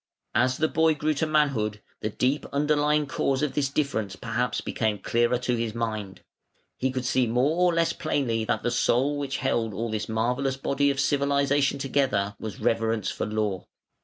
As the boy grew to manhood, the deep underlying cause of this difference perhaps became clearer to his mind. He could see more or less plainly that the soul which held all this marvellous body of civilisation together was reverence for Law.